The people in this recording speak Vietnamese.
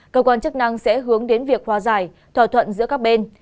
cơ quan chức năng sẽ hướng đến việc hòa giải thỏa thuận giữa các bên